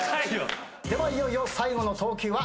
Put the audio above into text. ではいよいよ最後の投球は。